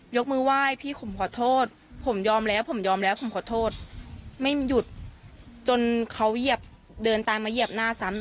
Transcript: ยกมือไหว้พี่ผมขอโทษผมยอมแล้วผมยอมแล้วผมขอโทษไม่หยุดจนเขาเหยียบเดินตามมาเหยียบหน้าซ้ำ